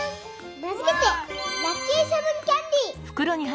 名づけて「ラッキーセブンキャンディー」！